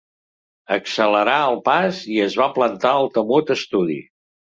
Accelerà el pas i es va plantar al temut estudi.